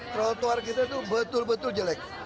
trotoar kita itu betul betul jelek